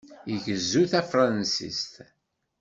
Igezzu tafṛensist?